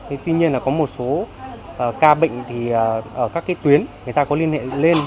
thế tuy nhiên là có một số ca bệnh thì ở các cái tuyến người ta có liên hệ lên